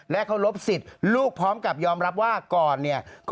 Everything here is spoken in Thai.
และเคารพสิทธิ์ลูกพร้อมกับยอมรับว่าก่อนเนี่ย